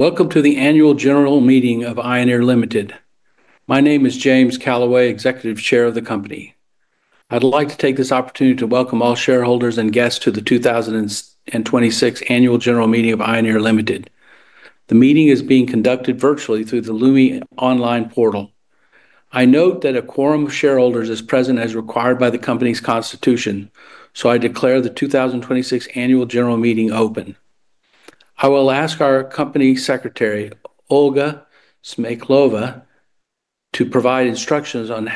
Welcome to the Annual General Meeting of Ioneer Ltd. My name is James Calaway, Executive Chair of the company. I'd like to take this opportunity to welcome all shareholders and guests to the 2026 Annual General Meeting of Ioneer Ltd. The meeting is being conducted virtually through the Lumi online portal. I note that a quorum of shareholders is present as required by the company's constitution. I declare the 2026 Annual General Meeting open. I will ask our Company Secretary, Olga Smejkalova, to provide instructions on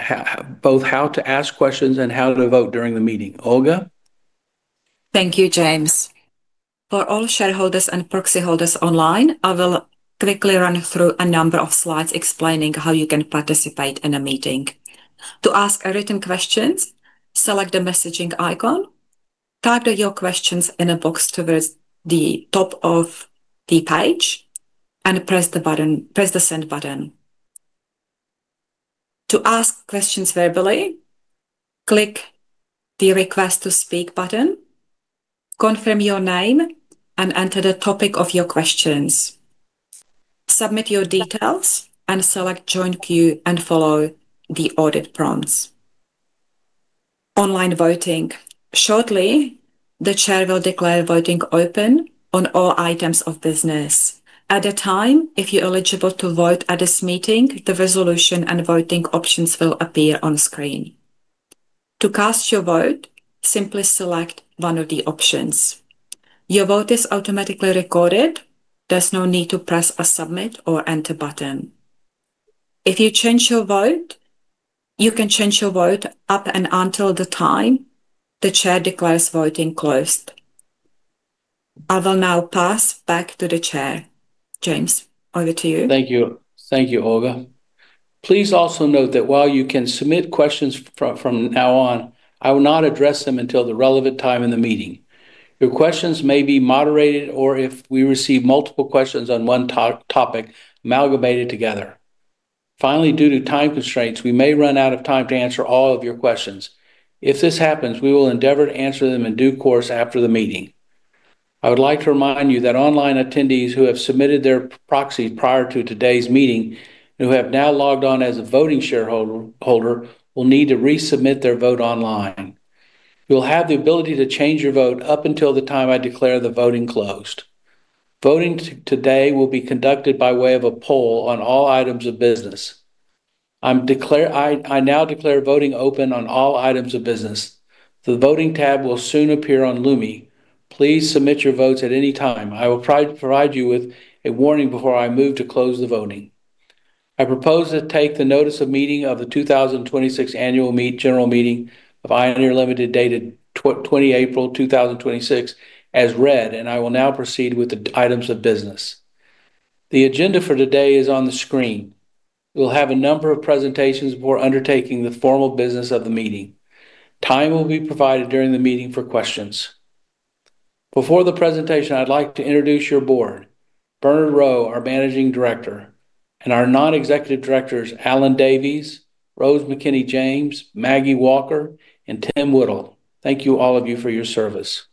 both how to ask questions and how to vote during the meeting. Olga? Thank you, James. For all shareholders and proxy holders online, I will quickly run through a number of slides explaining how you can participate in a meeting. To ask a written question, select the messaging icon, type your questions in a box towards the top of the page, and press the send button. To ask questions verbally, click the Request to Speak button, confirm your name, and enter the topic of your questions. Submit your details and select Join Queue and follow the audit prompts. Online voting. Shortly, the chair will declare voting open on all items of business. At the time, if you're eligible to vote at this meeting, the resolution and voting options will appear on screen. To cast your vote, simply select one of the options. Your vote is automatically recorded. There's no need to press a submit or enter button. If you change your vote, you can change your vote up and until the time the Chair declares voting closed. I will now pass back to the Chair. James, over to you. Thank you, Olga. Please also note that while you can submit questions from now on, I will not address them until the relevant time in the meeting. Your questions may be moderated or, if we receive multiple questions on one topic, amalgamated together. Finally, due to time constraints, we may run out of time to answer all of your questions. If this happens, we will endeavor to answer them in due course after the meeting. I would like to remind you that online attendees who have submitted their proxy prior to today's meeting and who have now logged on as a voting shareholder will need to resubmit their vote online. You'll have the ability to change your vote up until the time I declare the voting closed. Voting today will be conducted by way of a poll on all items of business. I now declare voting open on all items of business. The voting tab will soon appear on Lumi. Please submit your votes at any time. I will provide you with a warning before I move to close the voting. I propose to take the Notice of Meeting of the 2026 Annual General Meeting of Ioneer Ltd, dated 20 April, 2026, as read. I will now proceed with the items of business. The agenda for today is on the screen. We'll have a number of presentations before undertaking the formal business of the meeting. Time will be provided during the meeting for questions. Before the presentation, I'd like to introduce your board. Bernard Rowe, our Managing Director, and our Non-Executive Directors, Alan Davies, Rose McKinney-James, Margaret Walker, and Tim Woodall. Thank you, all of you, for your service.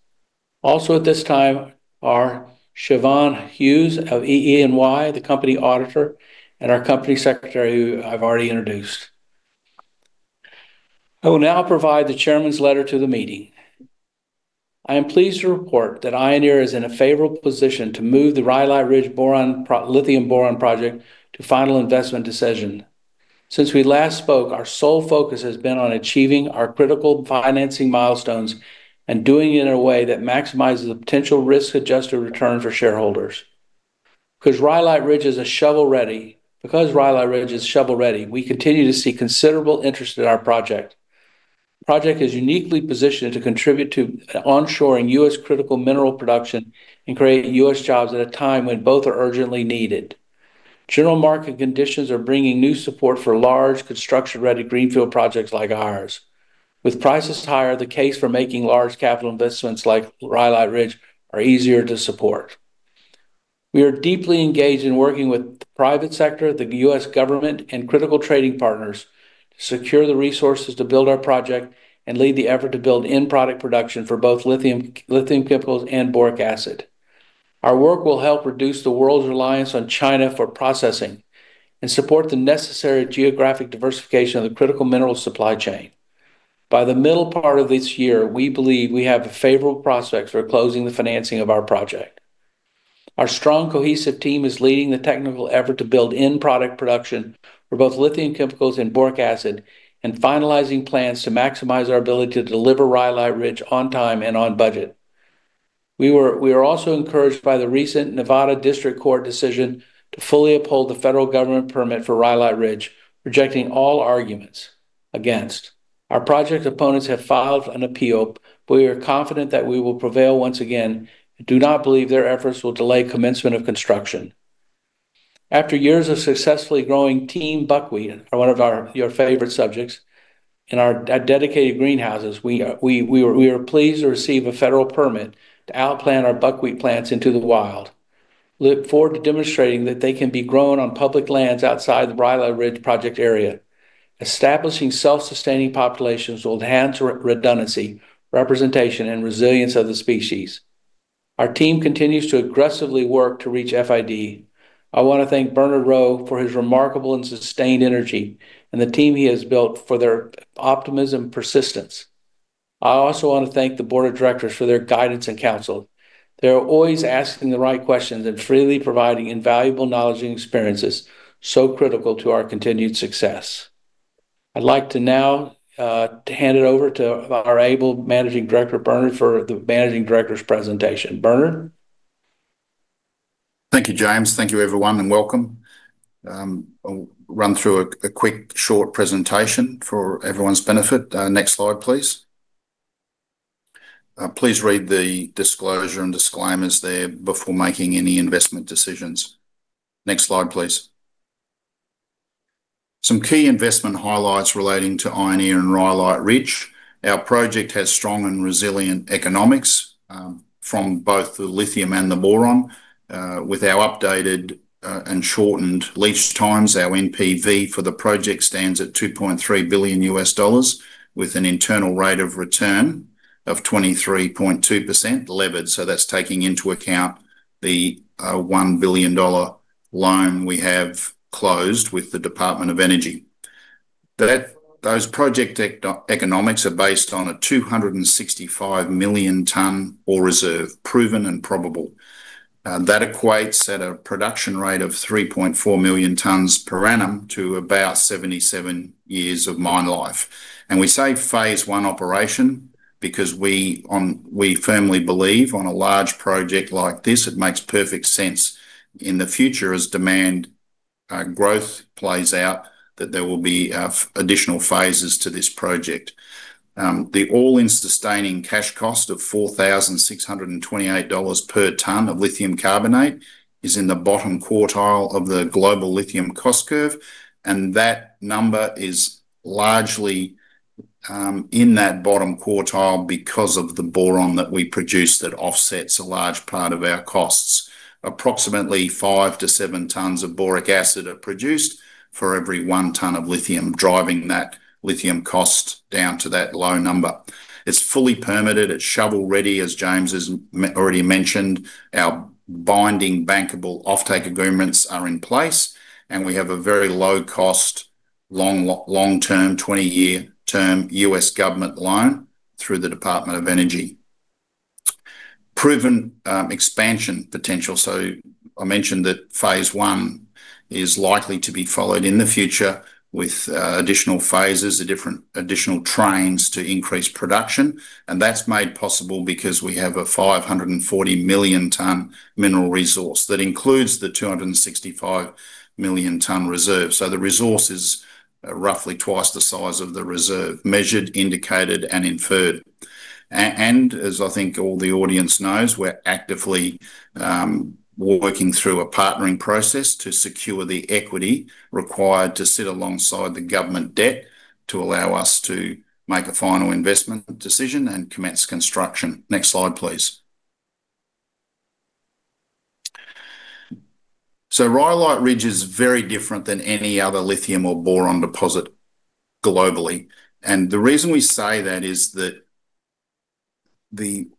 Also at this time are Siobhan Hughes of EY, the Company Auditor, and our Company Secretary, who I've already introduced. I will now provide the Chairman's letter to the meeting. I am pleased to report that Ioneer is in a favorable position to move the Rhyolite Ridge Lithium-Boron Project to final investment decision. Since we last spoke, our sole focus has been on achieving our critical financing milestones and doing it in a way that maximizes the potential risk-adjusted return for shareholders. Because Rhyolite Ridge is shovel-ready, we continue to see considerable interest in our project. The project is uniquely positioned to contribute to onshoring U.S. critical mineral production and create U.S. jobs at a time when both are urgently needed. General market conditions are bringing new support for large construction-ready greenfield projects like ours. With prices higher, the case for making large capital investments like Rhyolite Ridge are easier to support. We are deeply engaged in working with the private sector, the U.S. government, and critical trading partners to secure the resources to build our project and lead the effort to build end product production for both lithium chemicals and boric acid. Our work will help reduce the world's reliance on China for processing and support the necessary geographic diversification of the critical mineral supply chain. By the middle part of this year, we believe we have a favorable prospect for closing the financing of our project. Our strong, cohesive team is leading the technical effort to build end product production for both lithium chemicals and boric acid and finalizing plans to maximize our ability to deliver Rhyolite Ridge on time and on budget. We are also encouraged by the recent Nevada District Court decision to fully uphold the federal government permit for Rhyolite Ridge, rejecting all arguments against. Our project opponents have filed an appeal. We are confident that we will prevail once again and do not believe their efforts will delay commencement of construction. After years of successfully growing Tiehm's buckwheat, one of your favorite subjects, in our dedicated greenhouses, we are pleased to receive a federal permit to outplant our buckwheat plants into the wild. We look forward to demonstrating that they can be grown on public lands outside the Rhyolite Ridge project area. Establishing self-sustaining populations will enhance redundancy, representation, and resilience of the species. Our team continues to aggressively work to reach FID. I want to thank Bernard Rowe for his remarkable and sustained energy, and the team he has built for their optimism, persistence. I also want to thank the Board of Directors for their guidance and counsel. They're always asking the right questions and freely providing invaluable knowledge and experiences so critical to our continued success. I'd like to now hand it over to our able Managing Director, Bernard, for the Managing Director's presentation. Bernard? Thank you, James. Thank you everyone, and welcome. I'll run through a quick, short presentation for everyone's benefit. Next slide, please. Please read the disclosure and disclaimers there before making any investment decisions. Next slide, please. Some key investment highlights relating to Ioneer and Rhyolite Ridge. Our project has strong and resilient economics from both the lithium and the boron. With our updated and shortened leach times, our NPV for the project stands at $2.3 billion, with an internal rate of return of 23.2% levered. That's taking into account the $1 billion loan we have closed with the Department of Energy. Those project economics are based on a 265 million ton ore reserve, proven and probable. That equates at a production rate of 3.4 million tons per annum to about 77 years of mine life. We say Phase 1 operation because we firmly believe on a large project like this, it makes perfect sense in the future as demand growth plays out, that there will be additional phases to this project. The all-in sustaining cash cost of $4,628 per ton of lithium carbonate is in the bottom quartile of the global lithium cost curve, and that number is largely in that bottom quartile because of the boron that we produce that offsets a large part of our costs. Approximately five tons-seven tons of boric acid are produced for every one ton of lithium, driving that lithium cost down to that low number. It's fully permitted. It's shovel-ready, as James has already mentioned. Our binding bankable offtake agreements are in place, and we have a very low cost, long-term, 20-year term U.S. government loan through the Department of Energy. Proven expansion potential. I mentioned that Phase 1 is likely to be followed in the future with additional phases or different additional trains to increase production. That's made possible because we have a 540 million ton mineral resource that includes the 265 million ton reserve. So the resource is roughly twice the size of the reserve, measured, indicated, and inferred. As I think all the audience knows, we're actively working through a partnering process to secure the equity required to sit alongside the government debt to allow us to make a final investment decision and commence construction. Next slide, please. Rhyolite Ridge is very different than any other lithium or boron deposit globally. The reason we say that is that the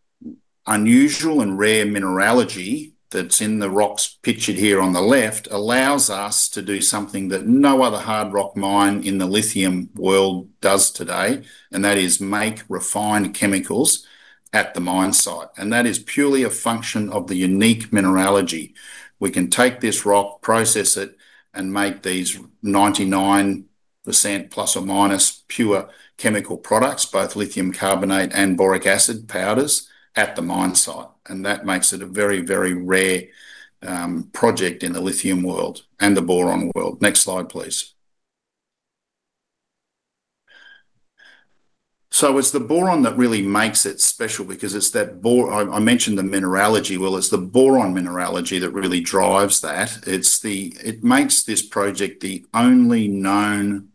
unusual and rare mineralogy that's in the rocks pictured here on the left allows us to do something that no other hard rock mine in the lithium world does today, and that is make refined chemicals at the mine site. That is purely a function of the unique mineralogy. We can take this rock, process it, and make these 99% ± pure chemical products, both lithium carbonate and boric acid powders, at the mine site. That makes it a very rare project in the lithium world and the boron world. Next slide, please. It's the boron that really makes it special because it's that. I mentioned the mineralogy. It's the boron mineralogy that really drives that. It makes this project the only known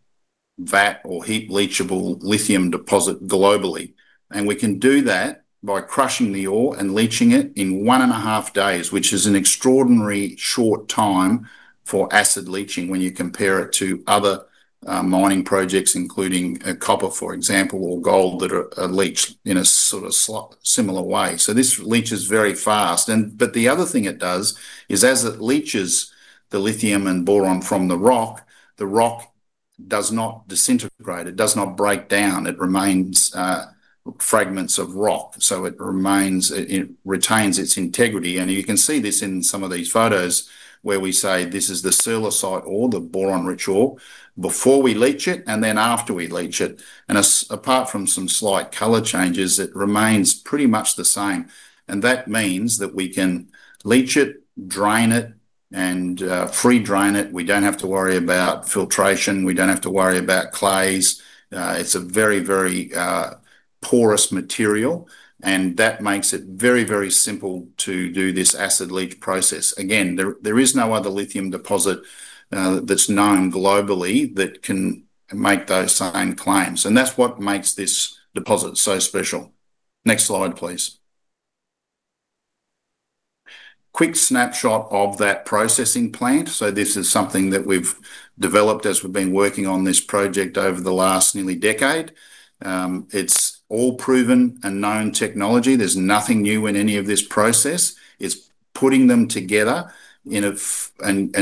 vat or heap leachable lithium deposit globally. We can do that by crushing the ore and leaching it in 1.5 days, which is an extraordinary short time for acid leaching when you compare it to other mining projects, including copper, for example, or gold, that are leached in a sort of similar way. This leaches very fast. The other thing it does is as it leaches the lithium and boron from the rock, the rock does not disintegrate. It does not break down. It remains fragments of rock. It retains its integrity. You can see this in some of these photos where we say this is the silicified ore, the boron-rich ore, before we leach it and then after we leach it. Apart from some slight color changes, it remains pretty much the same. That means that we can leach it, drain it, and free drain it. We don't have to worry about filtration. We don't have to worry about clays. It's a very porous material, and that makes it very simple to do this acid leach process. Again, there is no other lithium deposit that's known globally that can make those same claims, and that's what makes this deposit so special. Next slide, please. Quick snapshot of that processing plant. This is something that we've developed as we've been working on this project over the last nearly decade. It's all proven and known technology. There's nothing new in any of this process. It's putting them together and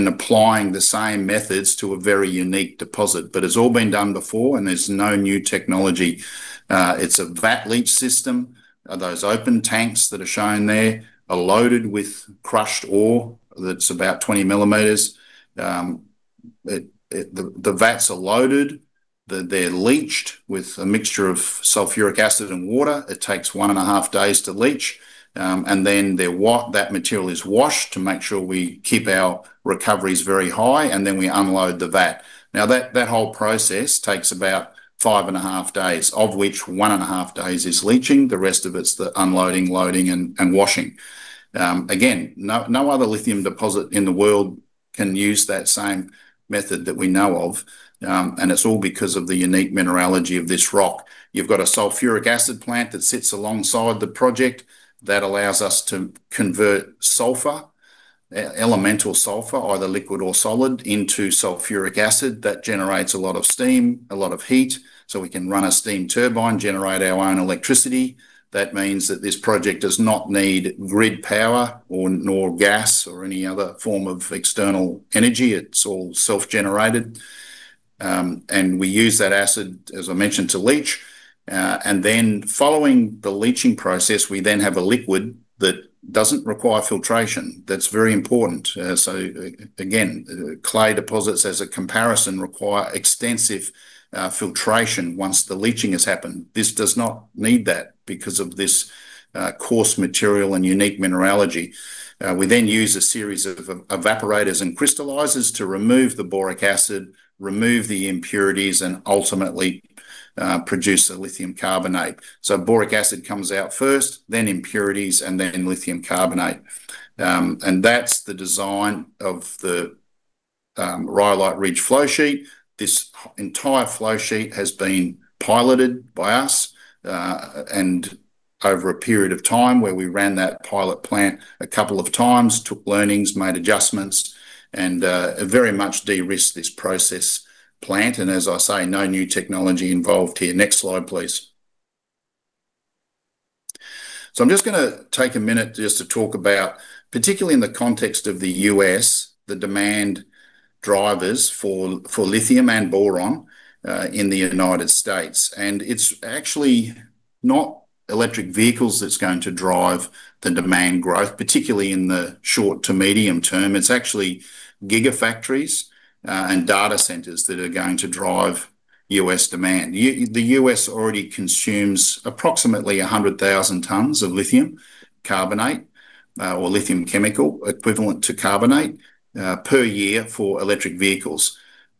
applying the same methods to a very unique deposit. It's all been done before, and there's no new technology. It's a vat leach system. Those open tanks that are shown there are loaded with crushed ore that's about 20 mm. The vats are loaded. They're leached with a mixture of sulfuric acid and water. It takes one and a half days to leach. Then that material is washed to make sure we keep our recoveries very high, and then we unload the vat. That whole process takes about 5.5 days, of which 1.5 days is leaching. The rest of it's the unloading, loading, and washing. Again, no other lithium deposit in the world can use that same method that we know of. It's all because of the unique mineralogy of this rock. You've got a sulfuric acid plant that sits alongside the project that allows us to convert sulfur, elemental sulfur, either liquid or solid, into sulfuric acid. That generates a lot of steam, a lot of heat, we can run a steam turbine, generate our own electricity. That means that this project does not need grid power nor gas or any other form of external energy. It's all self-generated. We use that acid, as I mentioned, to leach. Following the leaching process, we then have a liquid that doesn't require filtration. That's very important. Again, clay deposits, as a comparison, require extensive filtration once the leaching has happened. This does not need that because of this coarse material and unique mineralogy. We then use a series of evaporators and crystallizers to remove the boric acid, remove the impurities, and ultimately produce the lithium carbonate. Boric acid comes out first, then impurities, and then lithium carbonate. That's the design of the Rhyolite Ridge flow sheet. This entire flow sheet has been piloted by us. Over a period of time where we ran that pilot plant a couple of times, took learnings, made adjustments, and very much de-risked this process plant. As I say, no new technology involved here. Next slide, please. I'm just going to take a minute just to talk about, particularly in the context of the U.S., the demand drivers for lithium and boron in the United States. It's actually not electric vehicles that's going to drive the demand growth, particularly in the short to medium term. It's actually gigafactories and data centers that are going to drive U.S. demand. The U.S. already consumes approximately 100,000 tons of lithium carbonate or lithium chemical equivalent to carbonate per year for electric vehicles.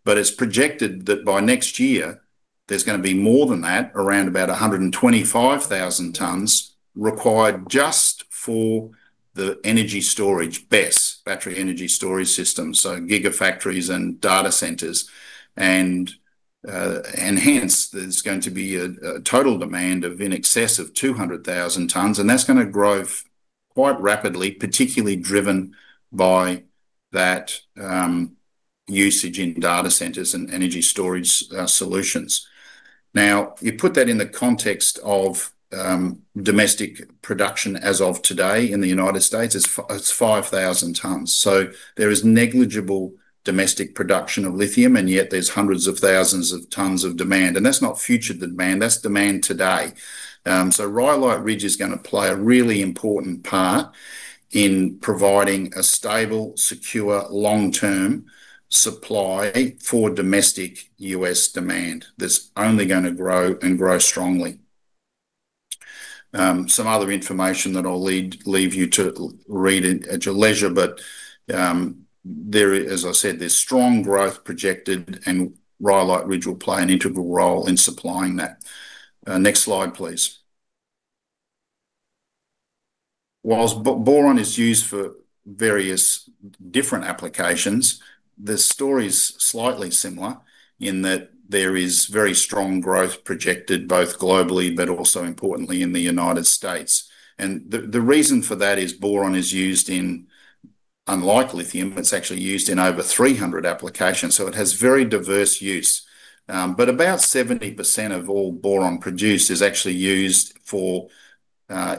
It's projected that by next year, there's going to be more than that, around about 125,000 tons required just for the energy storage, BESS, Battery Energy Storage Systems. Gigafactories and data centers. Hence, there's going to be a total demand of in excess of 200,000 tons, and that's going to grow quite rapidly, particularly driven by that usage in data centers and energy storage solutions. You put that in the context of domestic production as of today in the U.S., it's 5,000 tons. There is negligible domestic production of lithium, and yet there's hundreds of thousands of tons of demand, and that's not future demand, that's demand today. Rhyolite Ridge is going to play a really important part in providing a stable, secure, long-term supply for domestic U.S. demand that's only going to grow and grow strongly. Some other information that I'll leave you to read at your leisure. As I said, there's strong growth projected, and Rhyolite Ridge will play an integral role in supplying that. Next slide, please. Whilst boron is used for various different applications, the story's slightly similar in that there is very strong growth projected both globally but also importantly in the United States. The reason for that is boron is used in, unlike lithium, it's actually used in over 300 applications. It has very diverse use. About 70% of all boron produced is actually used for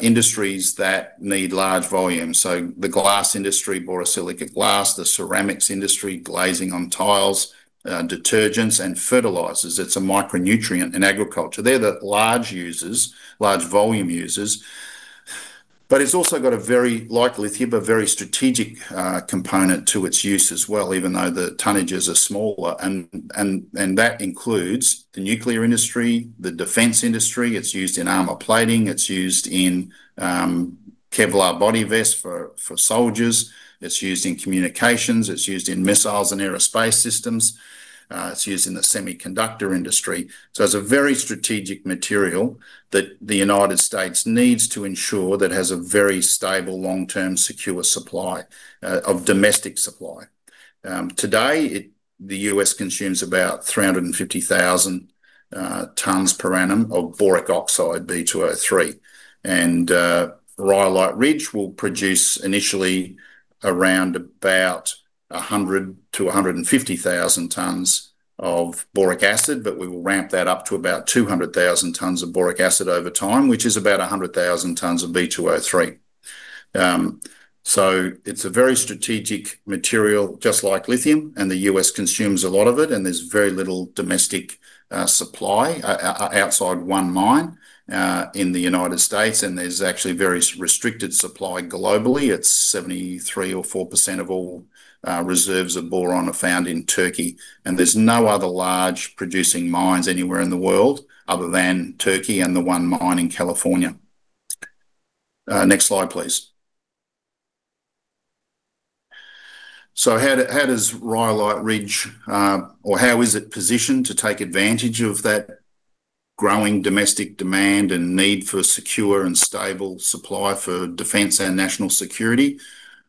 industries that need large volumes. The glass industry, borosilicate glass. The ceramics industry, glazing on tiles. Detergents and fertilizers. It's a micronutrient in agriculture. They're the large users, large volume users. It's also got a very, like lithium, a very strategic component to its use as well, even though the tonnages are smaller, and that includes the nuclear industry, the defense industry. It's used in armor plating. It's used in Kevlar body vests for soldiers. It's used in communications. It's used in missiles and aerospace systems. It's used in the semiconductor industry. It's a very strategic material that the United States needs to ensure that it has a very stable, long-term, secure supply of domestic supply. Today, the U.S. consumes about 350,000 tons per annum of boric oxide, B2O3. Rhyolite Ridge will produce initially around about 100,000 tons-150,000 tons of boric acid, but we will ramp that up to about 200,000 tons of boric acid over time, which is about 100,000 tons of B2O3. It's a very strategic material, just like lithium, and the U.S. consumes a lot of it, and there's very little domestic supply outside one mine in the United States, and there's actually very restricted supply globally. It's 73% or 74% of all reserves of boron are found in Turkey, and there's no other large producing mines anywhere in the world other than Turkey and the one mine in California. Next slide please. How does Rhyolite Ridge Or how is it positioned to take advantage of that growing domestic demand and need for secure and stable supply for defense and national security?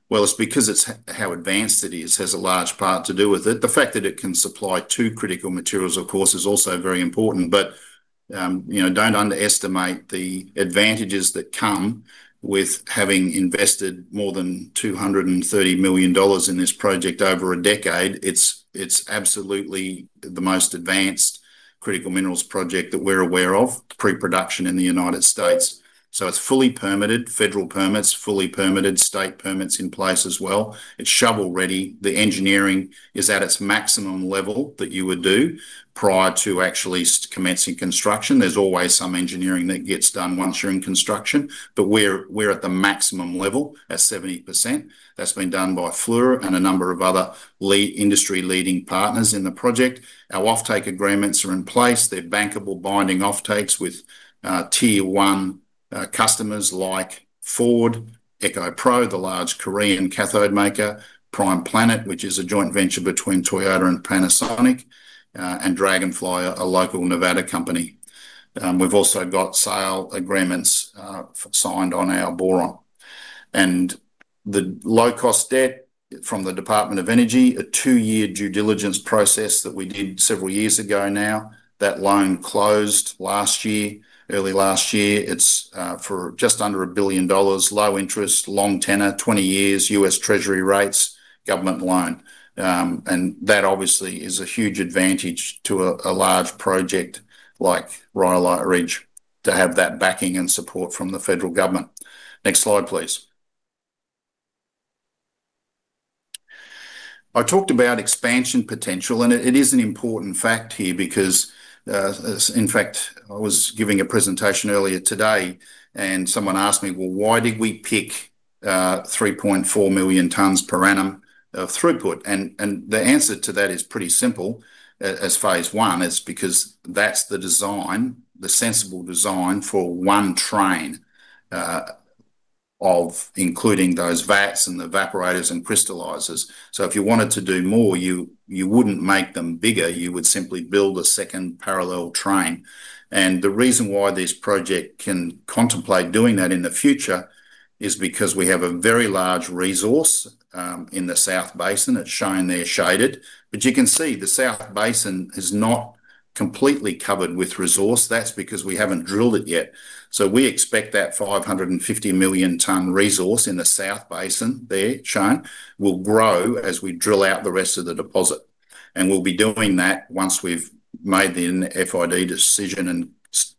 Well, it's because it's how advanced it is, has a large part to do with it. The fact that it can supply two critical materials, of course, is also very important. Don't underestimate the advantages that come with having invested more than $230 million in this project over a decade. It's absolutely the most advanced critical minerals project that we're aware of pre-production in the U.S. It's fully permitted federal permits, fully permitted state permits in place as well. It's shovel-ready. The engineering is at its maximum level that you would do prior to actually commencing construction. There's always some engineering that gets done once you're in construction. We're at the maximum level at 70%. That's been done by Fluor and a number of other industry-leading partners in the project. Our offtake agreements are in place. They're bankable binding offtakes with Tier 1 customers like Ford, EcoPro, the large Korean cathode maker, Prime Planet, which is a joint venture between Toyota and Panasonic, and Dragonfly, a local Nevada company. We've also got sale agreements signed on our boron. The low-cost debt from the Department of Energy, a two-year due diligence process that we did several years ago now. That loan closed last year, early last year. It's for just under a billion dollars. Low interest, long tenor, 20 years, U.S. Treasury rates, government loan. That obviously is a huge advantage to a large project like Rhyolite Ridge to have that backing and support from the federal government. Next slide please. I talked about expansion potential, and it is an important fact here because, in fact, I was giving a presentation earlier today and someone asked me, well, why did we pick 3.4 million tons per annum of throughput? The answer to that is pretty simple. As Phase 1, it's because that's the design, the sensible design for one train of including those vats and the evaporators and crystallizers. If you wanted to do more, you wouldn't make them bigger. You would simply build a second parallel train. The reason why this project can contemplate doing that in the future is because we have a very large resource in the South Basin. It's shown there shaded. You can see the South Basin is not completely covered with resource. That's because we haven't drilled it yet. We expect that 550 million ton resource in the South Basin there shown will grow as we drill out the rest of the deposit. We'll be doing that once we've made the FID decision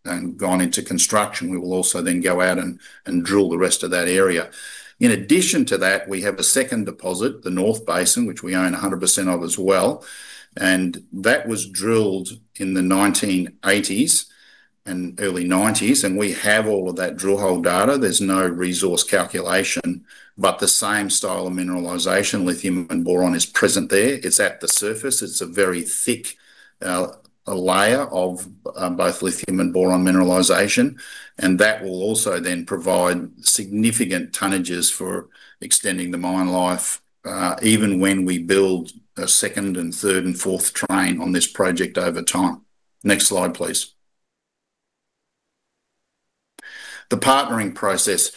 and gone into construction. We will also then go out and drill the rest of that area. In addition to that, we have a second deposit, the North Basin, which we own 100% of as well. That was drilled in the 1980s and early 1990s. We have all of that drill hole data. There is no resource calculation. The same style of mineralization, lithium and boron is present there. It is at the surface. It is a very thick layer of both lithium and boron mineralization. That will also then provide significant tonnages for extending the mine life, even when we build a second and third and fourth train on this project over time. Next slide please. The partnering process.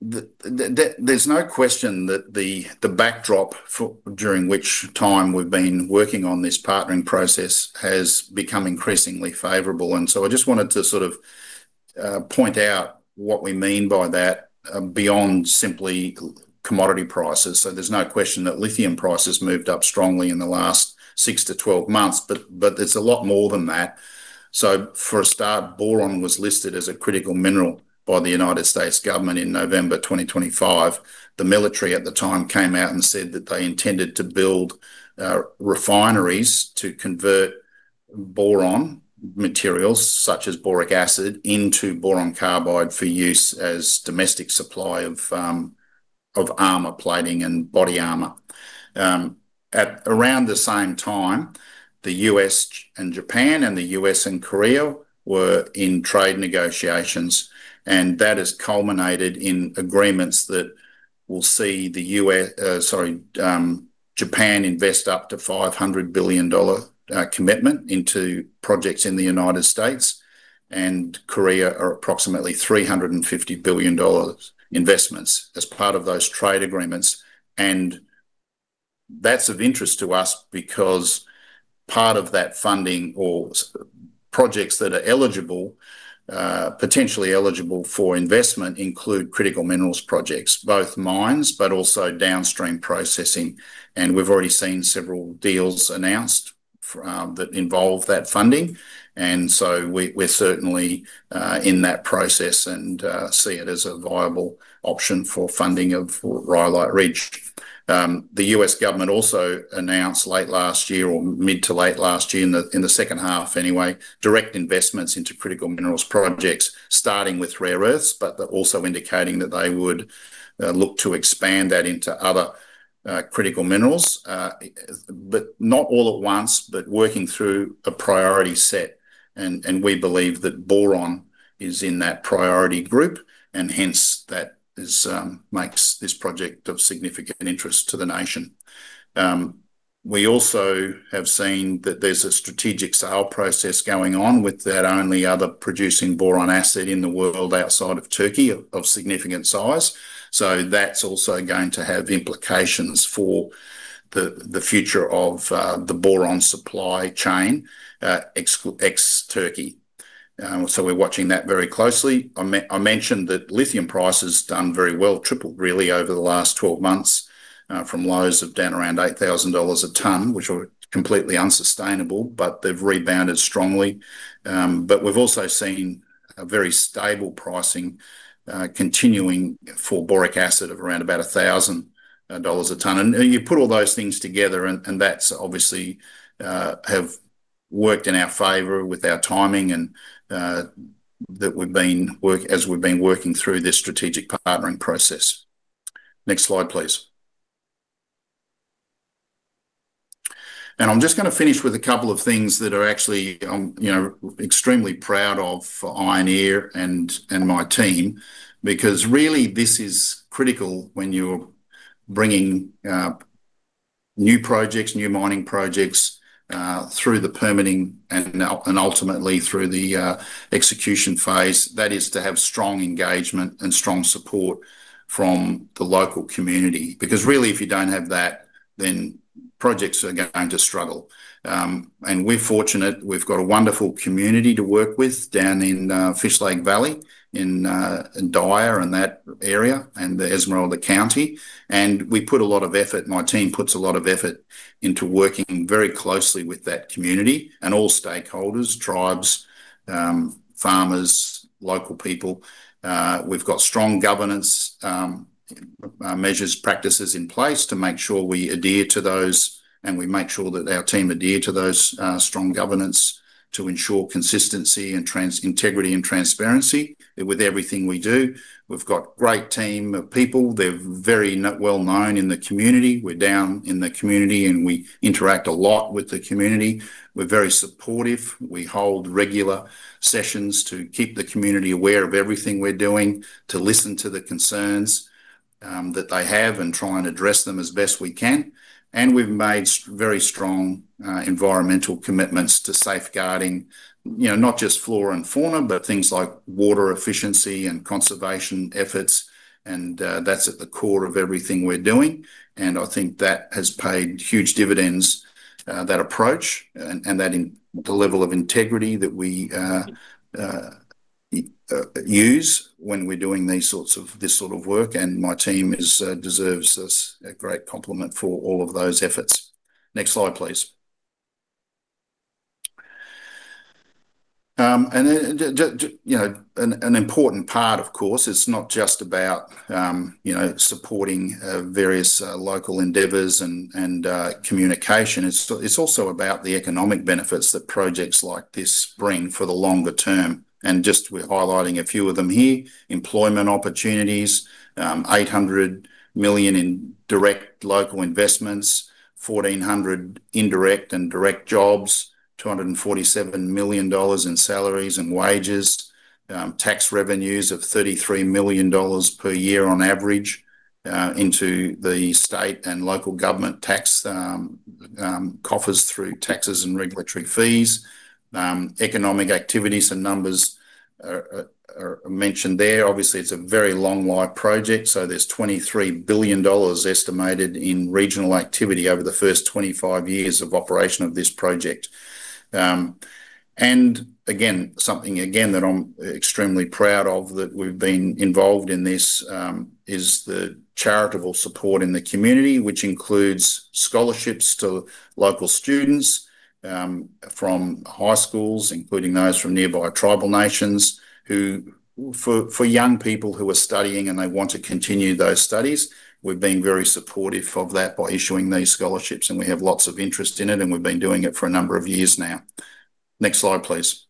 There is no question that the backdrop during which time we have been working on this partnering process has become increasingly favorable. I just wanted to sort of point out what we mean by that beyond simply commodity prices. There's no question that lithium prices moved up strongly in the last six to 12 months. It's a lot more than that. For a start, boron was listed as a critical mineral by the United States government in November 2025. The military at the time came out and said that they intended to build refineries to convert boron materials such as boric acid into boron carbide for use as domestic supply of armor plating and body armor. At around the same time, the U.S. and Japan and the U.S. and Korea were in trade negotiations. That has culminated in agreements that will see the U.S. sorry. Japan invest up to $500 billion commitment into projects in the U.S., Korea are approximately $350 billion investments as part of those trade agreements. That's of interest to us because part of that funding or projects that are eligible, potentially eligible for investment include critical minerals projects, both mines, but also downstream processing. We've already seen several deals announced that involve that funding. We're certainly in that process and see it as a viable option for funding of Rhyolite Ridge. The U.S. government also announced late last year or mid to late last year in the second half anyway, direct investments into critical minerals projects, starting with rare earths, but also indicating that they would look to expand that into other critical minerals, not all at once, but working through a priority set. We believe that boron is in that priority group, and hence that makes this project of significant interest to the nation. We also have seen that there's a strategic sale process going on with that only other producing boron asset in the world outside of Turkey of significant size. That's also going to have implications for the future of the boron supply chain ex-Turkey. We're watching that very closely. I mentioned that lithium prices done very well, tripled really over the last 12 months from lows of down around $8,000 a ton, which were completely unsustainable, but they've rebounded strongly. We've also seen a very stable pricing continuing for boric acid of around about a thousand dollars a ton. You put all those things together, and that's obviously have worked in our favor with our timing and as we've been working through this strategic partnering process. Next slide, please. I'm just going to finish with a couple of things that are actually extremely proud of for Ioneer and my team, because really this is critical when you're bringing new projects, new mining projects, through the permitting and ultimately through the execution phase. That is to have strong engagement and strong support from the local community. Really, if you don't have that, then projects are going to struggle. We're fortunate. We've got a wonderful community to work with down in Fish Lake Valley, in Dyer and that area, and the Esmeralda County. We put a lot of effort, my team puts a lot of effort into working very closely with that community and all stakeholders, tribes, farmers, local people. We've got strong governance measures, practices in place to make sure we adhere to those, and we make sure that our team adhere to those strong governance to ensure consistency and integrity and transparency with everything we do. We've got great team of people. They're very well known in the community. We're down in the community, and we interact a lot with the community. We're very supportive. We hold regular sessions to keep the community aware of everything we're doing, to listen to the concerns that they have and try and address them as best we can. We've made very strong environmental commitments to safeguarding not just flora and fauna, but things like water efficiency and conservation efforts, and that's at the core of everything we're doing. I think that has paid huge dividends, that approach and the level of integrity that we use when we're doing this sort of work. My team deserves a great compliment for all of those efforts. Next slide, please. An important part, of course, it's not just about supporting various local endeavors and communication. It's also about the economic benefits that projects like this bring for the longer term. Just we're highlighting a few of them here. Employment opportunities, 800 million in direct local investments, 1,400 indirect and direct jobs, 247 million dollars in salaries and wages. Tax revenues of 33 million dollars per year on average into the state and local government tax coffers through taxes and regulatory fees. Economic activities and numbers are mentioned there. Obviously, it's a very long-life project. There's 23 billion dollars estimated in regional activity over the first 25 years of operation of this project. Again, something that I'm extremely proud of that we've been involved in this is the charitable support in the community, which includes scholarships to local students from high schools, including those from nearby tribal nations, for young people who are studying and they want to continue those studies. We've been very supportive of that by issuing these scholarships, and we have lots of interest in it, and we've been doing it for a number of years now. Next slide, please.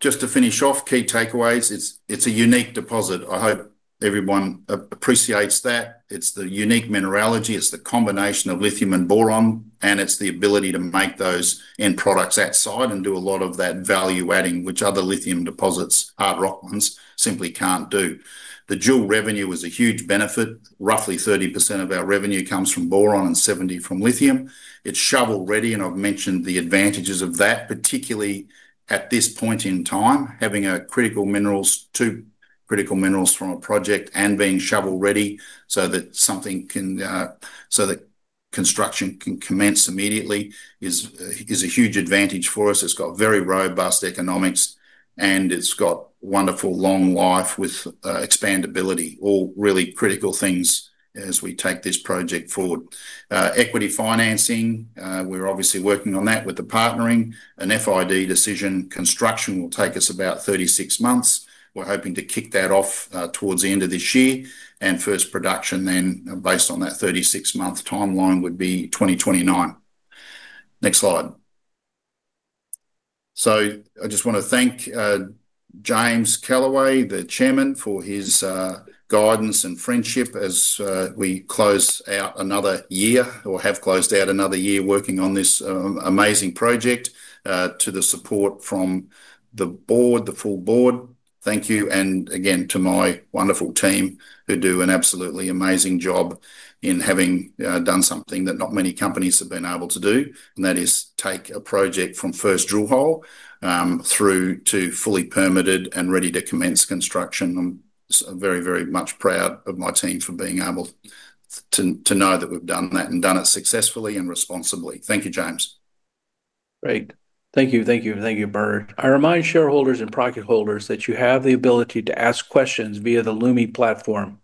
Just to finish off, key takeaways. It's a unique deposit. I hope everyone appreciates that. It's the unique mineralogy. It's the combination of lithium and boron, it's the ability to make those end products outside and do a lot of that value adding which other lithium deposits, hard rock ones, simply can't do. The dual revenue is a huge benefit. Roughly 30% of our revenue comes from boron and 70% from lithium. It's shovel-ready, I've mentioned the advantages of that, particularly at this point in time, having two critical minerals from a project and being shovel-ready so that construction can commence immediately is a huge advantage for us. It's got very robust economics, it's got wonderful long life with expandability, all really critical things as we take this project forward. Equity financing, we're obviously working on that with the partnering. An FID decision. Construction will take us about 36 months. We're hoping to kick that off towards the end of this year and first production then, based on that 36-month timeline, would be 2029. Next slide. I just want to thank James Calaway, the Chairman, for his guidance and friendship as we close out another year or have closed out another year working on this amazing project. To the support from the Board, the full Board, thank you. Again, to my wonderful team who do an absolutely amazing job in having done something that not many companies have been able to do, and that is take a project from first drill hole, through to fully permitted and ready to commence construction. I'm very much proud of my team for being able to know that we've done that and done it successfully and responsibly. Thank you, James. Great. Thank you. Thank you, Bernard. I remind shareholders and proxy holders that you have the ability to ask questions via the Lumi platform.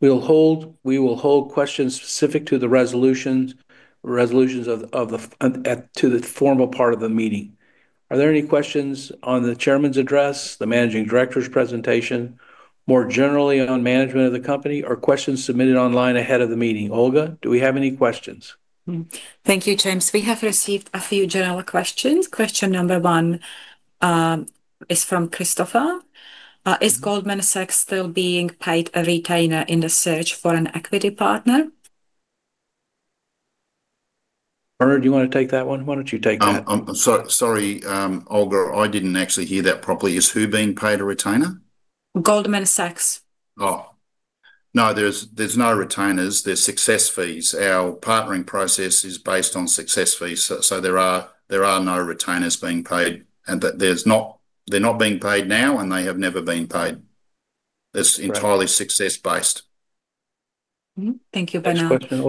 We will hold questions specific to the resolutions to the formal part of the meeting. Are there any questions on the Chairman's address, the Managing Director's presentation, more generally on management of the company, or questions submitted online ahead of the meeting? Olga, do we have any questions? Thank you, James. We have received a few general questions. Question number one is from Christopher. Is Goldman Sachs still being paid a retainer in the search for an equity partner? Bernard, do you want to take that one? Why don't you take that? I'm sorry, Olga. I didn't actually hear that properly. Is who being paid a retainer? Goldman Sachs. No, there's no retainers. There's success fees. Our partnering process is based on success fees. There are no retainers being paid. They're not being paid now, and they have never been paid. It's entirely success based. Thank you, Bernard. Next question,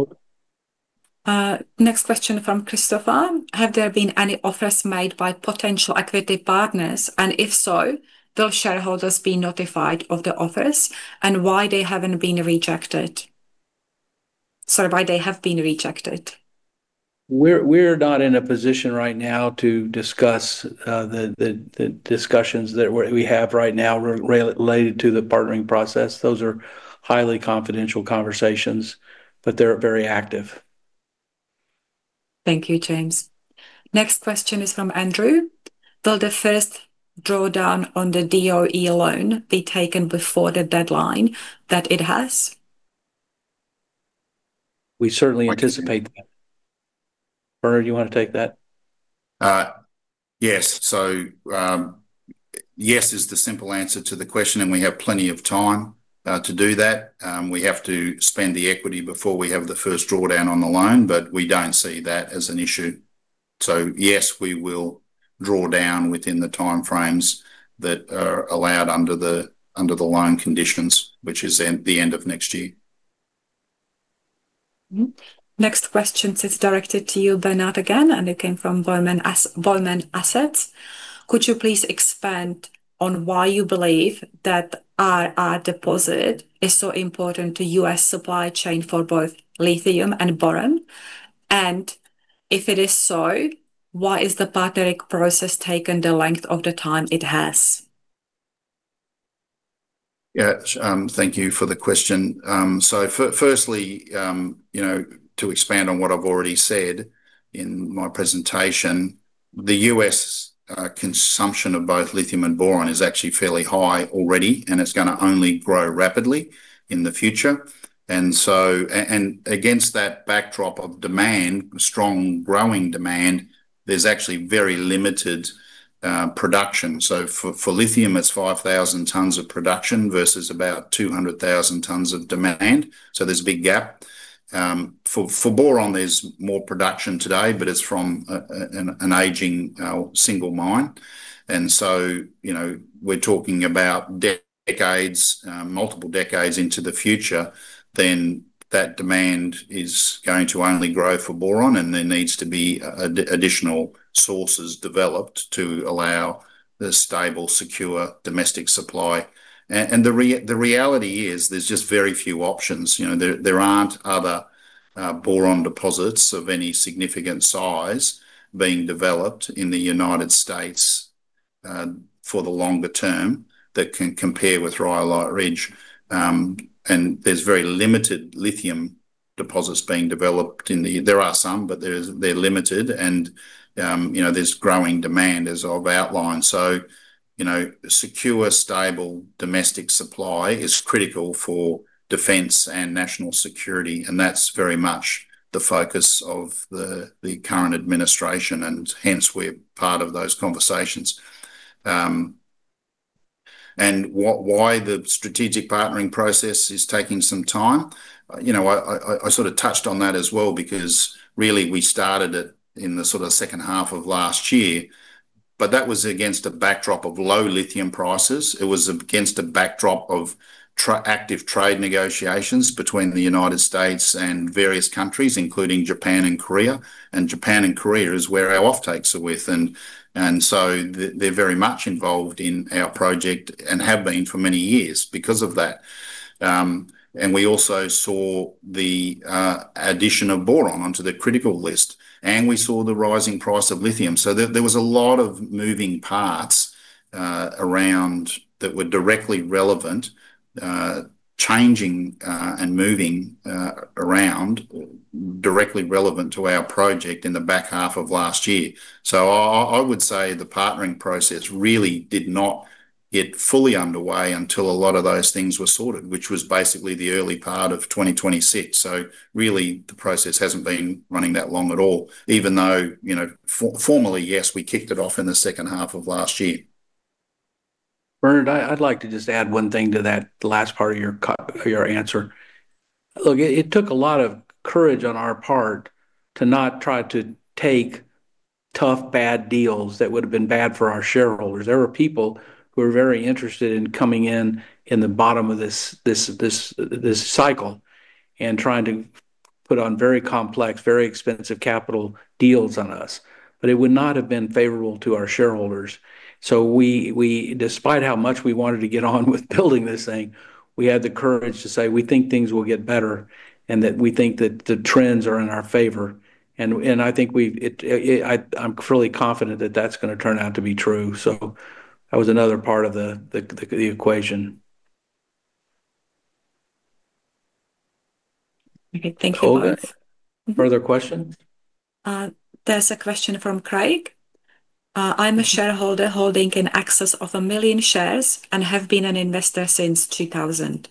Olga. Next question from Christopher. Have there been any offers made by potential equity partners? If so, will shareholders be notified of the offers and why they haven't been rejected? Sorry, Why they have been rejected? We're not in a position right now to discuss the discussions that we have right now related to the partnering process. Those are highly confidential conversations. They're very active. Thank you, James. Next question is from Andrew. Will the first drawdown on the DOE loan be taken before the deadline that it has? We certainly anticipate that. Bernard, do you want to take that? Yes. Yes is the simple answer to the question. We have plenty of time to do that. We have to spend the equity before we have the first drawdown on the loan. We don't see that as an issue. Yes, we will draw down within the time frames that are allowed under the loan conditions, which is the end of next year. Next question is directed to you, Bernard, again, and it came from Vollman Assets. Could you please expand on why you believe that our deposit is so important to U.S. supply chain for both lithium and boron? If it is so, why is the partnering process taken the length of the time it has? Yeah. Thank you for the question. Firstly, to expand on what I've already said in my presentation, the U.S. consumption of both lithium and boron is actually fairly high already, and it's going to only grow rapidly in the future. Against that backdrop of demand, strong growing demand, there's actually very limited production. For lithium, it's 5,000 tons of production versus about 200,000 tons of demand. There's a big gap. For boron, there's more production today, but it's from an aging single mine. We're talking about decades, multiple decades into the future, then that demand is going to only grow for boron and there needs to be additional sources developed to allow the stable, secure domestic supply. The reality is there's just very few options. There aren't other boron deposits of any significant size being developed in the U.S. for the longer term that can compare with Rhyolite Ridge. There's very limited lithium deposits being developed. There are some, but they're limited and there's growing demand as I've outlined. Secure, stable, domestic supply is critical for defense and national security, and that's very much the focus of the current administration, and hence we're part of those conversations. Why the strategic partnering process is taking some time? I sort of touched on that as well because really we started it in the sort of second half of last year. That was against a backdrop of low lithium prices. It was against a backdrop of active trade negotiations between the U.S. and various countries, including Japan and Korea. Japan and Korea is where our offtakes are with, and so they're very much involved in our project and have been for many years because of that. We also saw the addition of boron onto the critical list, and we saw the rising price of lithium. There was a lot of moving parts around that were directly relevant, changing and moving around, directly relevant to our project in the back half of last year. I would say the partnering process really did not get fully underway until a lot of those things were sorted, which was basically the early part of 2026. Really, the process hasn't been running that long at all, even though formally, yes, we kicked it off in the second half of last year. Bernard, I'd like to just add one thing to that last part of your answer. Look, it took a lot of courage on our part to not try to take tough, bad deals that would've been bad for our shareholders. There were people who were very interested in coming in in the bottom of this cycle and trying to put on very complex, very expensive capital deals on us. It would not have been favorable to our shareholders. We, despite how much we wanted to get on with building this thing, we had the courage to say, we think things will get better, and that we think that the trends are in our favor. I think I'm fairly confident that that's going to turn out to be true. That was another part of the equation. Okay. Thank you both. Further questions? There's a question from Craig. I'm a shareholder holding in excess of a million shares and have been an investor since 2000.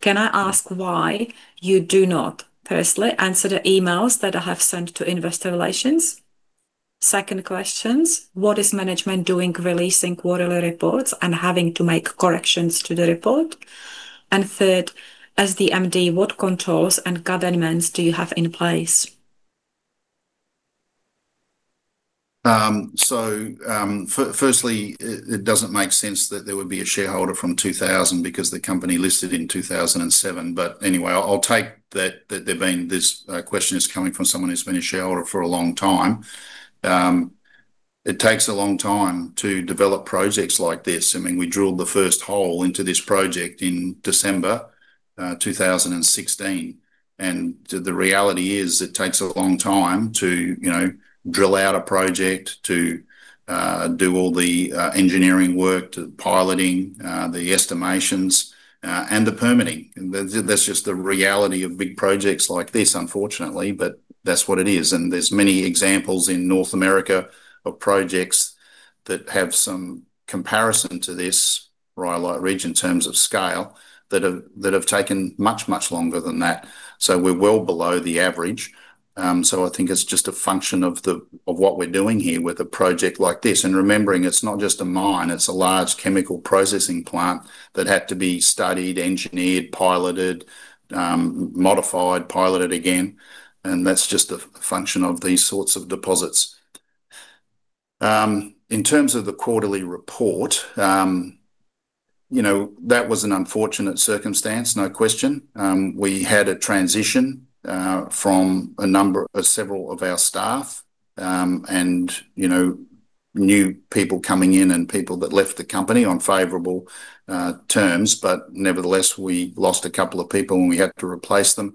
Can I ask why you do not personally answer the emails that I have sent to investor relations? Second questions, what is management doing releasing quarterly reports and having to make corrections to the report? Third, as the MD, what controls and governance do you have in place? Firstly, it doesn't make sense that there would be a shareholder from 2000 because the company listed in 2007. Anyway, I'll take that there've been this question is coming from someone who's been a shareholder for a long time. It takes a long time to develop projects like this. We drilled the first hole into this project in December 2016. The reality is, it takes a long time to drill out a project, to do all the engineering work, to piloting the estimations, and the permitting. That's just the reality of big projects like this, unfortunately, but that's what it is. There's many examples in North America of projects that have some comparison to this Rhyolite Ridge in terms of scale that have taken much, much longer than that. We're well below the average. I think it's just a function of what we're doing here with a project like this. Remembering it's not just a mine, it's a large chemical processing plant that had to be studied, engineered, piloted, modified, piloted again, and that's just a function of these sorts of deposits. In terms of the quarterly report, that was an unfortunate circumstance, no question. We had a transition from a number of several of our staff. New people coming in and people that left the company on favorable terms. Nevertheless, we lost a couple of people and we had to replace them,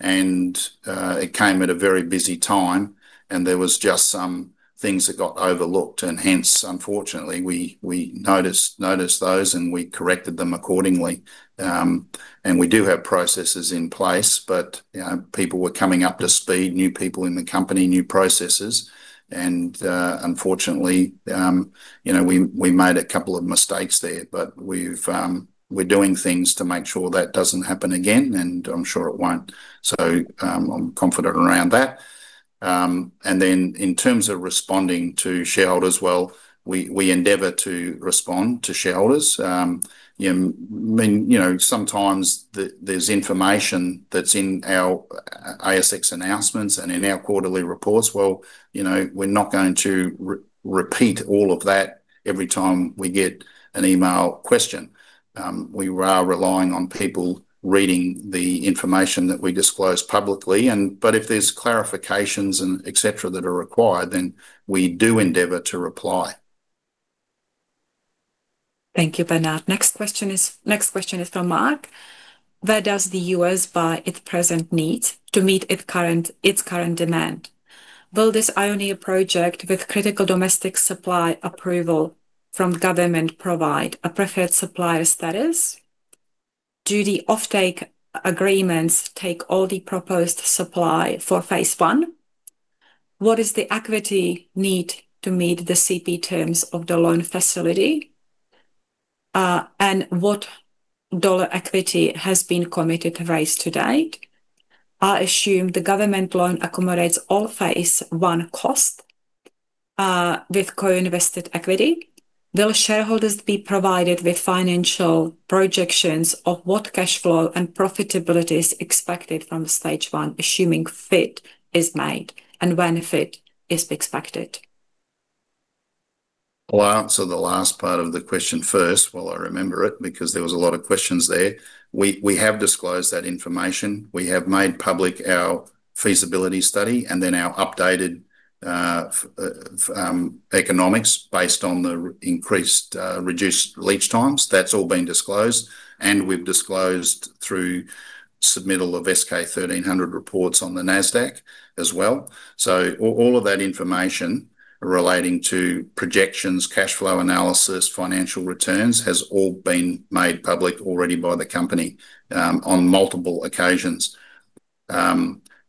and it came at a very busy time, and there was just some things that got overlooked. Hence, unfortunately, we noticed those, and we corrected them accordingly. We do have processes in place. People were coming up to speed, new people in the company, new processes. Unfortunately, we made a couple of mistakes there. We're doing things to make sure that doesn't happen again, and I'm sure it won't. I'm confident around that. Then in terms of responding to shareholders, well, we endeavor to respond to shareholders. Sometimes there's information that's in our ASX announcements and in our quarterly reports. Well, we're not going to repeat all of that every time we get an email question. We are relying on people reading the information that we disclose publicly but if there's clarifications and et cetera that are required, then we do endeavor to reply. Thank you, Bernard. Next question is from Mark. Where does the U.S., by its present needs, to meet its current demand? Will this Ioneer project with critical domestic supply approval from government provide a preferred supplier status? Do the offtake agreements take all the proposed supply for Phase 1? What is the equity need to meet the CP terms of the loan facility? What dollar equity has been committed raised to date? I assume the government loan accommodates all Phase 1 cost, with co-invested equity. Will shareholders be provided with financial projections of what cash flow and profitability is expected from Stage 1, assuming FID is made, and when FID is expected? I'll answer the last part of the question first while I remember it, because there was a lot of questions there. We have disclosed that information. We have made public our feasibility study and then our updated economics based on the increased reduced leach times. That's all been disclosed. We've disclosed through submittal of S-K 1300 reports on the NASDAQ as well. All of that information relating to projections, cashflow analysis, financial returns, has all been made public already by the company, on multiple occasions.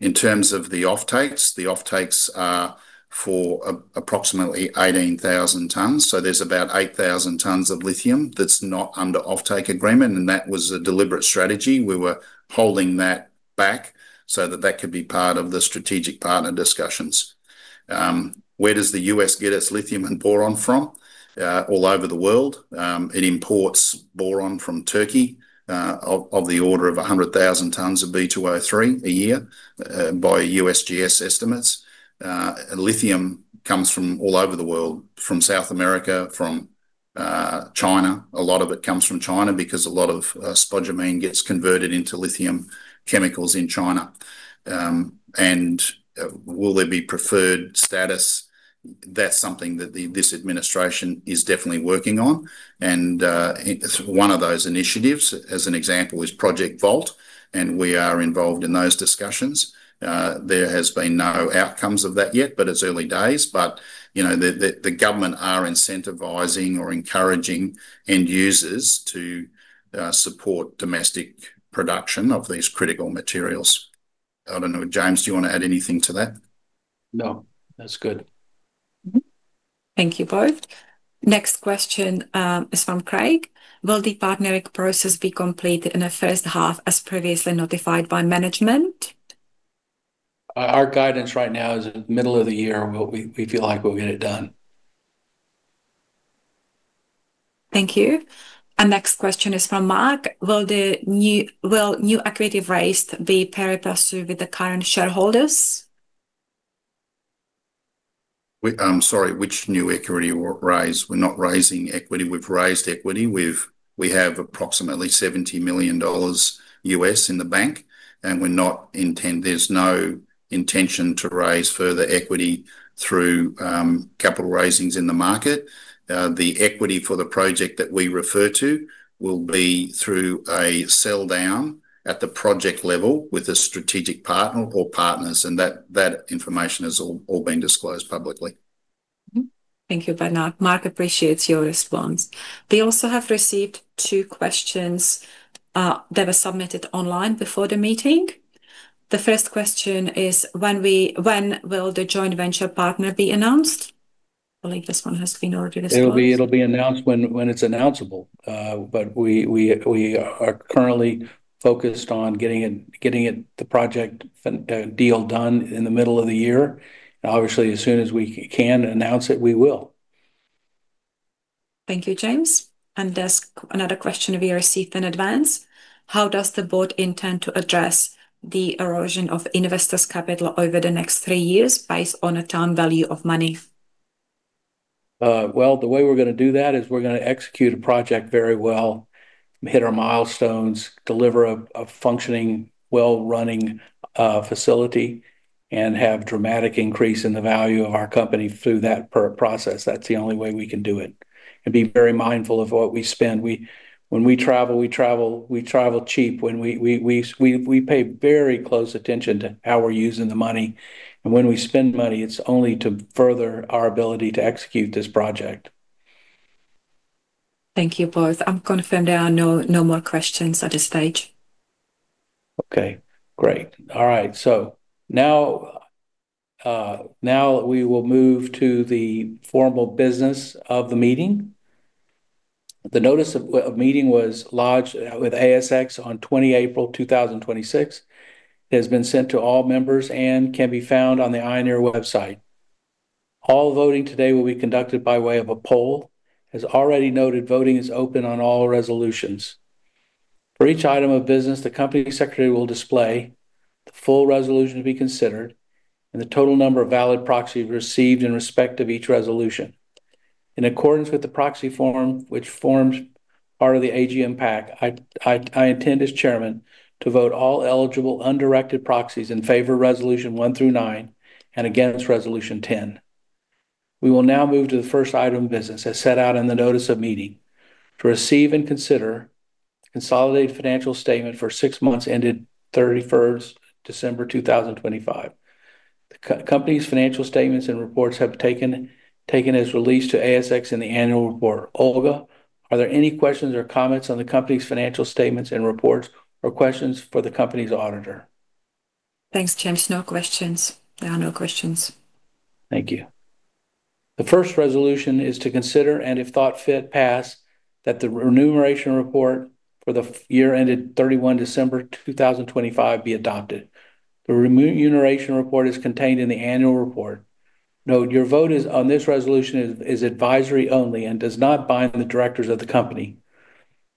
In terms of the offtakes, the offtakes are for approximately 18,000 tons, so there's about 8,000 tons of lithium that's not under offtake agreement, and that was a deliberate strategy. We were holding that back so that that could be part of the strategic partner discussions. Where does the U.S. get its lithium and boron from? All over the world. It imports boron from Turkey of the order of 100,000 tons of B2O3 a year, by USGS estimates. Lithium comes from all over the world, from South America, from China. A lot of it comes from China because a lot of spodumene gets converted into lithium chemicals in China. Will there be preferred status? That's something that this administration is definitely working on. One of those initiatives, as an example, is Project Vault, and we are involved in those discussions. There has been no outcomes of that yet, but it's early days. The government are incentivizing or encouraging end users to support domestic production of these critical materials. I don't know. James, do you want to add anything to that? No, that's good. Thank you both. Next question is from Craig. Will the partnering process be completed in the first half as previously notified by management? Our guidance right now is the middle of the year, but we feel like we'll get it done. Thank you. Next question is from Mark. Will new equity raised be pro-rata with the current shareholders? I'm sorry, which new equity raised? We're not raising equity. We've raised equity. We have approximately $70 million in the bank. There's no intention to raise further equity through capital raisings in the market. The equity for the project that we refer to will be through a sell down at the project level with a strategic partner or partners. That information has all been disclosed publicly. Thank you, Bernard. Mark appreciates your response. We also have received two questions that were submitted online before the meeting. The first question is, when will the joint venture partner be announced? I believe this one has been already responded. It'll be announced when it's announceable. We are currently focused on getting the project deal done in the middle of the year. Obviously, as soon as we can announce it, we will. Thank you, James. There's another question we received in advance. How does the board intend to address the erosion of investors' capital over the next three years based on a time value of money? Well, the way we're going to do that is we're going to execute a project very well, hit our milestones, deliver a functioning, well-running facility, and have dramatic increase in the value of our company through that process. That's the only way we can do it. Be very mindful of what we spend. When we travel, we travel cheap. We pay very close attention to how we're using the money. When we spend money, it's only to further our ability to execute this project. Thank you both. I confirm there are no more questions at this stage. Okay, great. All right, now we will move to the formal business of the meeting. The Notice of Meeting was lodged with ASX on 20 April 2026. It has been sent to all members and can be found on the Ioneer website. All voting today will be conducted by way of a poll. As already noted, voting is open on all resolutions. For each item of business, the company secretary will display the full resolution to be considered and the total number of valid proxy received in respect of each resolution. In accordance with the proxy form, which forms part of the AGM pack, I intend as Chairman to vote all eligible undirected proxies in favor of Resolution 1 through 9 and against Resolution 10. We will now move to the first item of business as set out in the notice of meeting. To receive and consider consolidated financial statement for six months ended 31st December 2025. The company's financial statements and reports have taken as released to ASX in the annual report. Olga, are there any questions or comments on the company's financial statements and reports, or questions for the Company's Auditor? Thanks, James. No questions. There are no questions. Thank you. The first resolution is to consider, and if thought fit, pass that the remuneration report for the year ended 31 December 2025 be adopted. The remuneration report is contained in the annual report. Note, your vote on this resolution is advisory only and does not bind the directors of the company.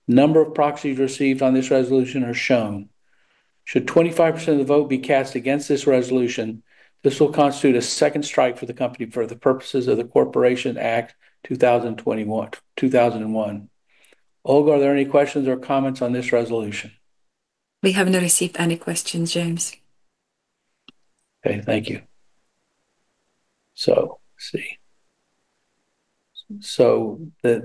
Number of proxies received on this resolution are shown. Should 25% of the vote be cast against this resolution, this will constitute a second strike for the company for the purposes of the Corporations Act 2001. Olga, are there any questions or comments on this resolution? We have not received any questions, James. Okay. Thank you. Let's see. The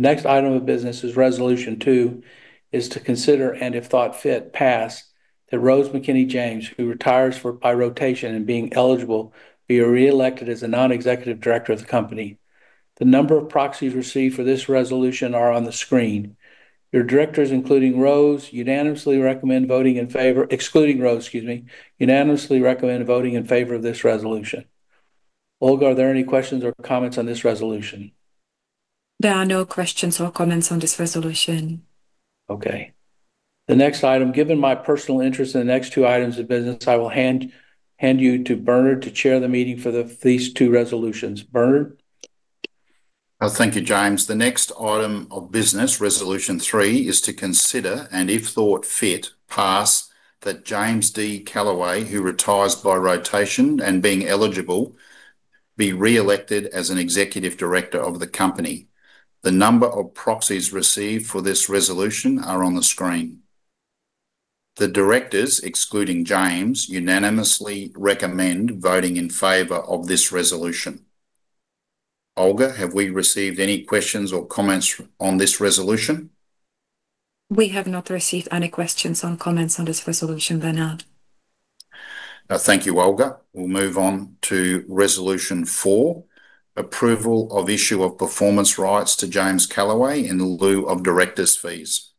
next item of business is Resolution 2, is to consider, and if thought fit, pass that Rose McKinney-James, who retires by rotation and being eligible, be reelected as a Non-Executive Director of the company. The number of proxies received for this resolution are on the screen. Your Directors, excluding Rose, unanimously recommend voting in favor of this resolution. Olga, are there any questions or comments on this resolution? There are no questions or comments on this resolution. Okay. The next item, given my personal interest in the next two items of business, I will hand you to Bernard to chair the meeting for these two resolutions. Bernard? Oh, thank you, James. The next item of business, Resolution 3, is to consider, and if thought fit, pass that James D. Calaway, who retires by rotation and being eligible, be reelected as an Executive Director of the company. The number of proxies received for this resolution are on the screen. The Directors, excluding James, unanimously recommend voting in favor of this resolution. Olga, have we received any questions or comments on this resolution? We have not received any questions or comments on this resolution, Bernard. Thank you, Olga. We'll move on to Resolution 4, approval of issue of performance rights to James Calaway in lieu of Director's fees.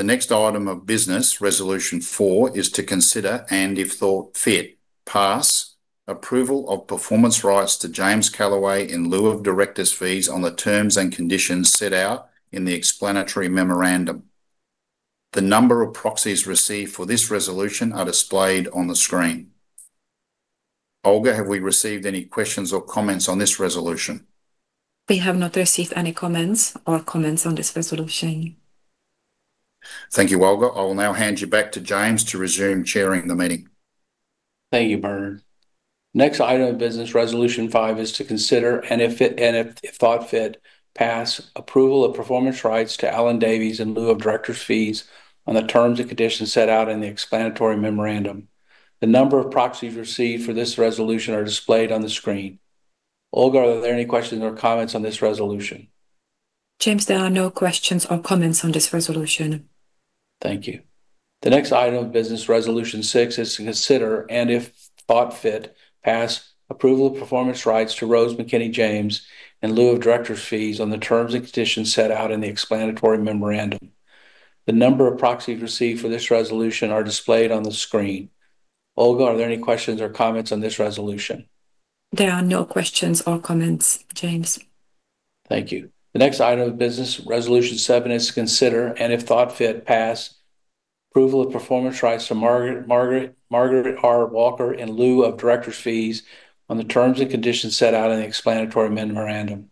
The next item of business, Resolution 4, is to consider, and if thought fit, pass approval of performance rights to James Calaway in lieu of Director's fees on the terms and conditions set out in the explanatory memorandum. The number of proxies received for this resolution are displayed on the screen. Olga, have we received any questions or comments on this resolution? We have not received any comments on this resolution. Thank you, Olga. I will now hand you back to James to resume chairing the meeting. Thank you, Bernard. Next item of business, Resolution 5, is to consider, and if thought fit, pass approval of performance rights to Alan Davies in lieu of Director's fees on the terms and conditions set out in the explanatory memorandum. The number of proxies received for this resolution are displayed on the screen. Olga, are there any questions or comments on this resolution? James, there are no questions or comments on this resolution. Thank you. The next item of business, Resolution 6, is to consider, and if thought fit, pass approval of performance rights to Rose McKinney-James in lieu of Director's fees on the terms and conditions set out in the explanatory memorandum. The number of proxies received for this resolution are displayed on the screen. Olga, are there any questions or comments on this resolution? There are no questions or comments, James. Thank you. The next item of business, Resolution 7, is to consider, and if thought fit, pass approval of performance rights to Margaret R. Walker in lieu of Director's fees on the terms and conditions set out in the explanatory memorandum.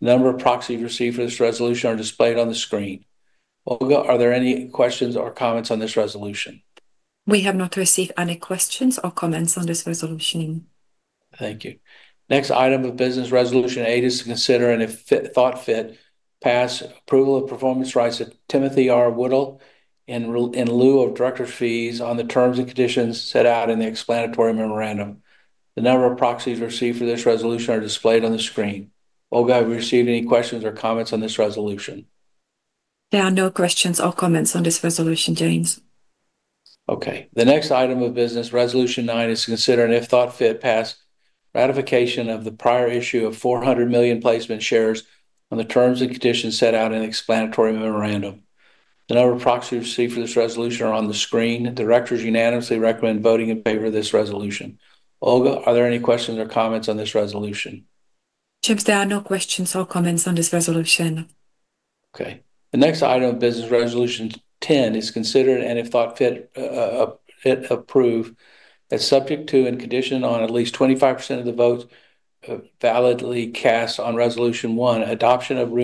The number of proxies received for this resolution are displayed on the screen. Olga, are there any questions or comments on this resolution? We have not received any questions or comments on this resolution. Thank you. Next item of business, Resolution 8, is to consider, and if thought fit, pass approval of performance rights to Timothy R. Woodall in lieu of Director's fees on the terms and conditions set out in the explanatory memorandum. The number of proxies received for this resolution are displayed on the screen. Olga, have we received any questions or comments on this resolution? There are no questions or comments on this resolution, James. The next item of business, Resolution 9, is to consider, and if thought fit, pass ratification of the prior issue of 400 million placement shares on the terms and conditions set out in explanatory memorandum. The number of proxies received for this resolution are on the screen. Directors unanimously recommend voting in favor of this resolution. Olga, are there any questions or comments on this resolution? James, there are no questions or comments on this resolution. The next item of business, Resolution 10, is consider, and if thought fit, approve that subject to and condition on at least 25% of the votes validly cast on Resolution 1, adoption of the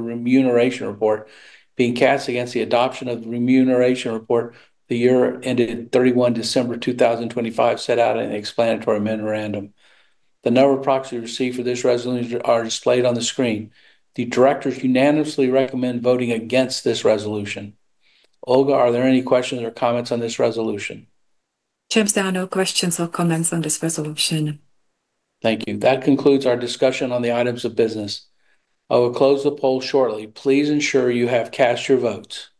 remuneration report, being cast against the adoption of the remuneration report the year ended 31 December 2025, set out in explanatory memorandum. The number of proxies received for this resolution are displayed on the screen. The directors unanimously recommend voting against this resolution. Olga, are there any questions or comments on this resolution? James, there are no questions or comments on this resolution. Thank you. That concludes our discussion on the items of business. I will close the poll shortly. Please ensure you have cast your votes.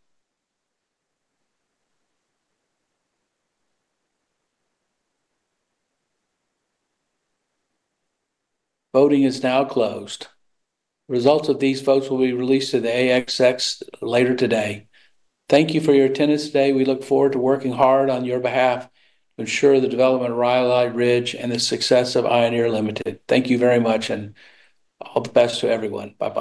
Voting is now closed. Results of these votes will be released to the ASX later today. Thank you for your attendance today. We look forward to working hard on your behalf to ensure the development of Rhyolite Ridge and the success of Ioneer Ltd. Thank you very much and all the best to everyone. Bye-bye.